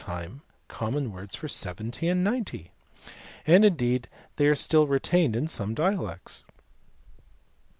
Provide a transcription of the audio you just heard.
125 time common words for seventy and ninety, and indeed they are still retained in^^me dialects.